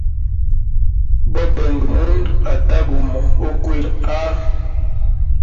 Bobenga mundu ata gumo ukwila haa.